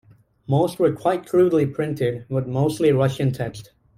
Most were quite crudely printed with mostly Russian text.